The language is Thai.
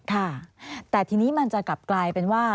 ค่ะแต่ทีนี้มันจะกลับกลายเป็นว่า